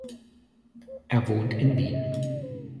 Er wohnt in Wien.